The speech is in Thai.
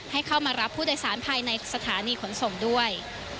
ให้เข้ามารับผู้โดยสารภายในสถานีขนส่งด้วย